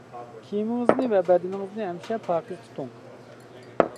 كىيىمىڭىزنى ۋە بەدىنىڭىزنى ھەمىشە پاكىز تۇتۇڭ.